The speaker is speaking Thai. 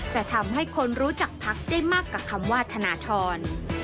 จะทำให้คนรู้จักพักได้มากกว่าคำว่าธนทร